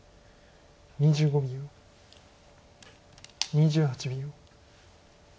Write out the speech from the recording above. ２８秒。